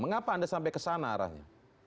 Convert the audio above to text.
mengapa anda sampai ke sana arahnya